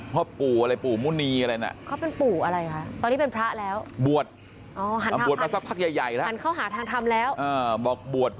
เมื่อก่อนเราเรียกเขาว่าอะไรนะครับปู่เหรอ